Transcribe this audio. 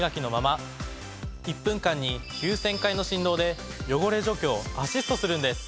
１分間に９，０００回の振動で汚れ除去をアシストするんです。